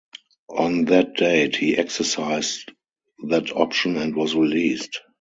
On that date, he exercised that option and was released.